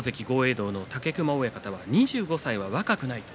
道の武隈親方は２５歳は若くない。